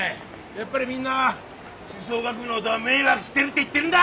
やっぱりみんな吹奏楽部の音は迷惑してるって言ってるんだ！